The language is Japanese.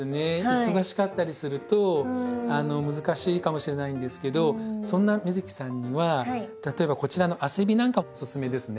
忙しかったりすると難しいかもしれないんですけどそんな美月さんには例えばこちらのアセビなんかおすすめですね。